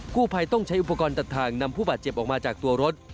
กู้ภัยต้องใช้อุปกรณ์ตัดทางนำผู้บาดเจ็บออกมาจากตัวรถ